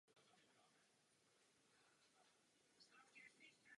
Dnes je zde obytný dům s bankovní filiálkou v přízemí.